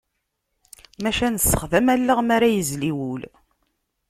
Maca nessexdam allaɣ mi ara yezli wul.